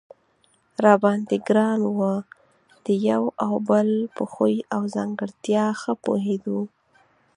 را باندې ګران و، د یو او بل په خوی او ځانګړتیا ښه پوهېدو.